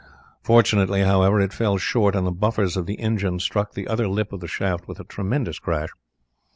Fortunately, however, it fell short, and the buffers of the engine struck the other lip of the shaft with a tremendous crash.